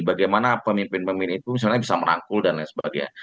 bagaimana pemimpin pemimpin itu misalnya bisa merangkul dan lain sebagainya